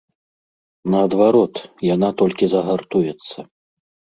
Наадварот, яна толькі загартуецца.